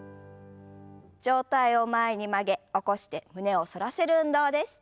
上体を前に曲げ起こして胸を反らせる運動です。